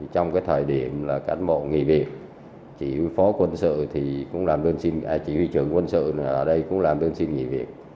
trong cái thời điểm là cán bộ nghỉ việc chỉ huy trưởng quân sự ở đây cũng làm đơn xin nghỉ việc